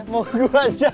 mau gue ajakin ke kak uah